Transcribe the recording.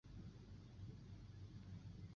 娘娘村贝丘遗址的历史年代为新石器时代。